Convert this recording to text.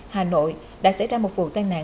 hà nội đã xảy ra một vụ tai nạn